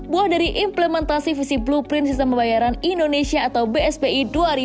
buah dari implementasi visi blueprint sistem pembayaran indonesia atau bspi dua ribu dua puluh